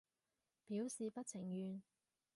表示不情願